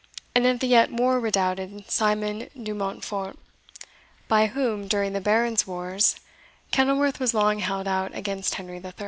and of the yet more redoubted Simon de Montfort, by whom, during the Barons' wars, Kenilworth was long held out against Henry III.